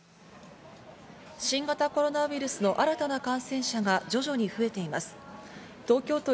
新型コロナウイルスの新たな感染者が徐々に増えています。